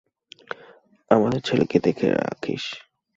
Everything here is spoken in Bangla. আমাদের ছেলেকে দেখে রাখিস।